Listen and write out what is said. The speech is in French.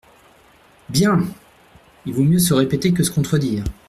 Bien ! Il vaut mieux se répéter que se contredire.